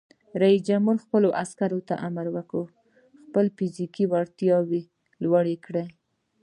رئیس جمهور خپلو عسکرو ته امر وکړ؛ خپله فزیکي وړتیا لوړه کړئ!